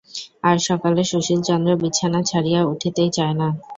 আজ সকালে সুশীলচন্দ্র বিছানা ছাড়িয়া উঠিতেই চায় না।